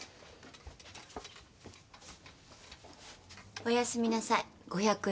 おやすみなさい５００円